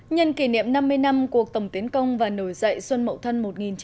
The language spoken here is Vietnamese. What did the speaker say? nhân kỷ niệm năm mươi năm cuộc tổng tiến công và nổi dậy xuân mậu thân một nghìn chín trăm tám mươi